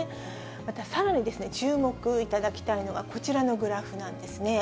またさらに、注目いただきたいのがこちらのグラフなんですね。